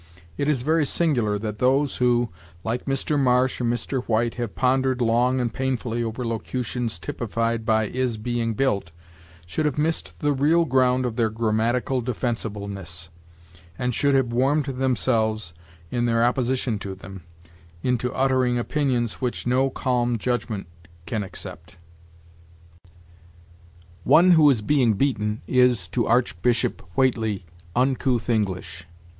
It is very singular that those who, like Mr. Marsh and Mr. White, have pondered long and painfully over locutions typified by is being built, should have missed the real ground of their grammatical defensibleness, and should have warmed themselves, in their opposition to them, into uttering opinions which no calm judgment can accept. "'One who is being beaten' is, to Archbishop Whately, 'uncouth English.'